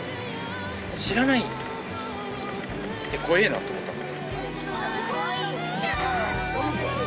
知らないって怖ぇなと思ったんで。